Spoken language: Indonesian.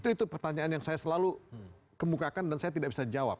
itu pertanyaan yang saya selalu kemukakan dan saya tidak bisa jawab